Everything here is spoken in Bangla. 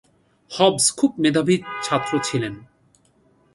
হবস খুব মেধাবী ছাত্র ছিলেন।